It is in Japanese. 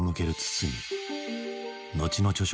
後の著書